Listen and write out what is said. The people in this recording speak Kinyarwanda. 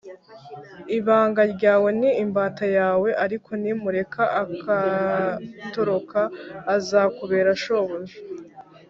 ibanga ryawe ni imbata yawe; ariko nimureka akatoroka, azakubera shobuja.